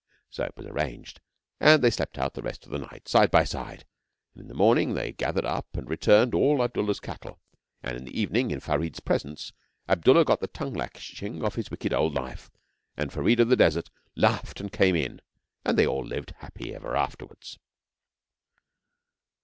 So it was arranged, and they slept out the rest of the night, side by side, and in the morning they gathered up and returned all Abdullah's cattle, and in the evening, in Farid's presence, Abdullah got the tongue lashing of his wicked old life, and Farid of the Desert laughed and came in; and they all lived happy ever afterwards.